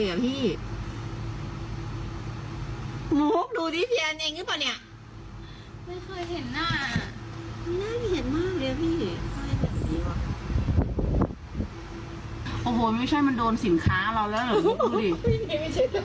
ไอ้มุ๊กมุ๊กเอ็งมาดูหน้ามัน